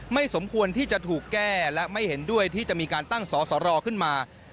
สมควรที่จะถูกแก้และไม่เห็นด้วยที่จะมีการตั้งสอสรขึ้นมา